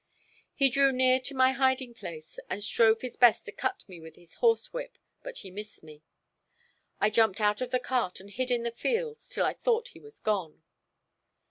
He drew near to my hiding place and strove his best to cut me with his horsewhip, but he missed me. I jumped out of the cart and hid in the fields till I thought he was gone.